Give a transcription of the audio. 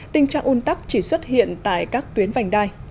tình trạng un tắc chỉ xuất hiện tại các tuyến vành đai